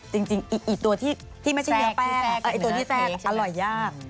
จริงอีกตัวที่ไม่ใช่เนื้อแป้งตัวนี้แซ่บอร่อยยาก